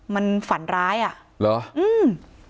มันฝันร้ายอ่ะเหรออืม